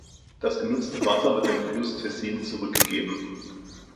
Das genutzte Wasser wird dem Fluss Tessin zurückgegeben.